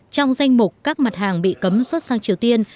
trong danh mục các mặt hàng bị cấm xuất sang triều tiên